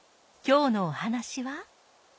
今日のお話は。